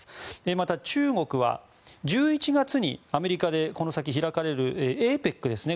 また、中国は１１月にアメリカでこの先開かれるＡＰＥＣですね